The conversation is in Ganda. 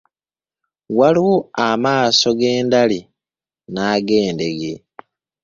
Waliwo amaaso ag’endali n'ag’endege.